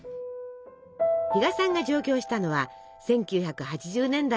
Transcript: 比嘉さんが上京したのは１９８０年代も終わりのこと。